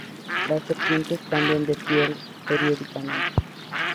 Las serpientes cambian de piel periódicamente.